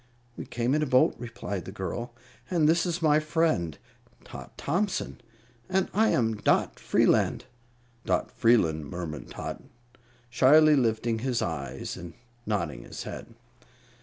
"We came in a boat," replied the girl; "and this is my friend, Tot Thompson, and I am Dot Freeland." "Dot F'eelun," murmured Tot, shyly lifting his eyes and nodding his head.